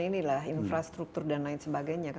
infrastruktur dan lain sebagainya